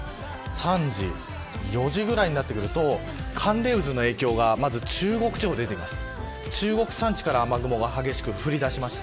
３時、４時ぐらいになってくると寒冷渦の影響が中国地方で出てきます。